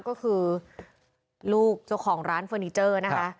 ก็คือลูกเจ้าของร้านเฟอร์นิเจอร์นะคะ